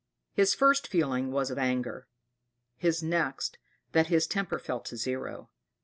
His first feeling was of anger; his next that his temper fell to zero.